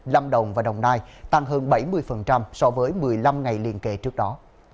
lâm đồng và đồng nai tăng hơn bảy mươi so với một mươi năm ngày liên kệ trước đó